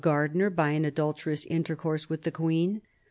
gardener by nn adulterous intercourse with the queen.